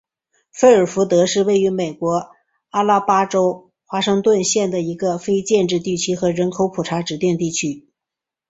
费尔福德是位于美国阿拉巴马州华盛顿县的一个非建制地区和人口普查指定地区。